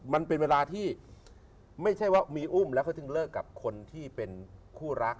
มันเป็นเวลาที่ไม่ใช่ว่ามีอุ้มแล้วเขาถึงเลิกกับคนที่เป็นคู่รัก